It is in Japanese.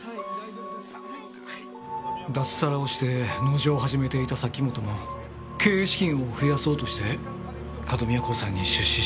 脱サラをして農場を始めていた崎本も経営資金を増やそうとして角宮興産に出資してたんです。